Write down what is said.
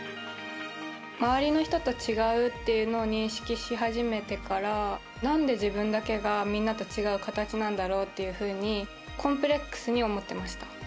周りの人と違うというのを認識し始めてからなんで自分だけが、みんなと違う形なんだろうというふうにコンプレックスに思ってました。